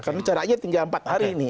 karena jaraknya tinggal empat hari ini